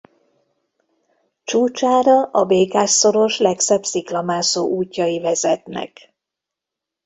Csúcsára a Békás-szoros legszebb sziklamászó útjai vezetnek.